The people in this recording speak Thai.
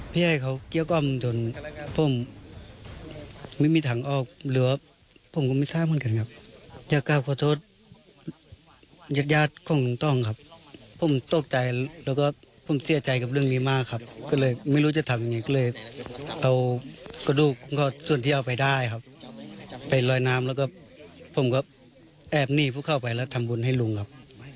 ส่วนที่เอาไปได้ครับไปลอยน้ำร่วมผมก็แอบนี่ผู้เข้าไปและทำบุญให้ลุงครับ